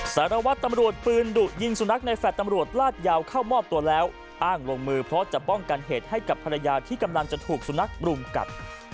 สารวัตรตำรวจปืนดุยิงสุนัขในแฟลต์ตำรวจลาดยาวเข้ามอบตัวแล้วอ้างลงมือเพราะจะป้องกันเหตุให้กับภรรยาที่กำลังจะถูกสุนัขรุมกัด